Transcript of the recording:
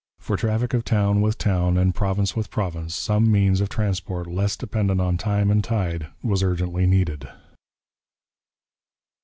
For traffic of town with town and province with province some means of transport less dependent on time and tide was urgently needed.